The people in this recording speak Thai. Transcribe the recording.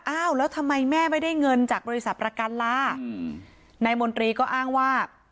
อ้าวแล้วทำไมแม่ไม่ได้เงินจากบริษัทประกันลาอืมนายมนตรีก็อ้างว่า